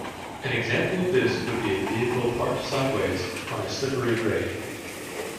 An example of this would be a vehicle parked sideways on a slippery grade.